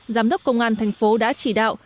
giám đốc công an thành phố đã chỉ đạo